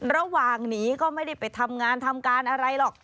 ระหว่างหนีก็ไม่ได้ไปทำงานทำการอะไรหรอก